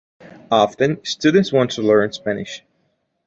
Often, students want to learn Spanish.